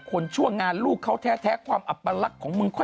ช่วงงานลูกเขาแท้ความอัปลักษณ์ของมึงค่อย